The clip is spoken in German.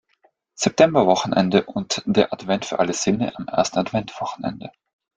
Septemberwochenende und der „Advent für alle Sinne“ am ersten Advent-Wochenende.